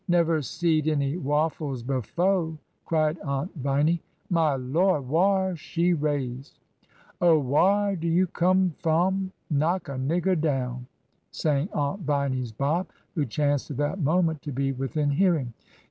''Never seed any wafHes befo'!'' cried Aunt Viny. My Lawd ! whar she raised ?" ''Oh, whar'd you come f'om? Knock a nigger down—" s sang Aunt Viny's Bob, who chanced at that moment to be within hearing.